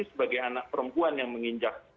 sebagai anak perempuan yang menginjak